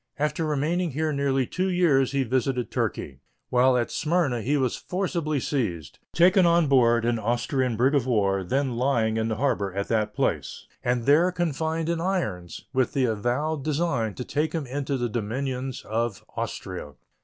After remaining here nearly two years he visited Turkey. While at Smyrna he was forcibly seized, taken on board an Austrian brig of war then lying in the harbor of that place, and there confined in irons, with the avowed design to take him into the dominions of Austria.